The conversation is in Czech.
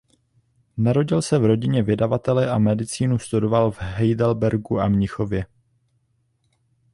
Narodil se v rodině vydavatele a medicínu studoval v Heidelbergu a Mnichově.